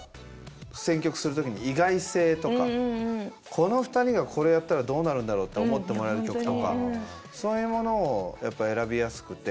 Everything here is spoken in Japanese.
この２人がこれやったらどうなるんだろうって思ってもらえる曲とかそういうものをやっぱ選びやすくて。